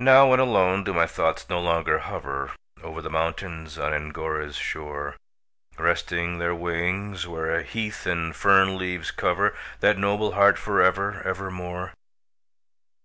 Now, when alone, do my thoughts no longer hover Over the mountains on Angora's shore, Resting their wings, where heath and fern leaves cover That noble heart for ever, ever more?